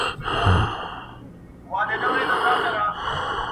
خدای ورکړی داسي ږغ داسي آواز و.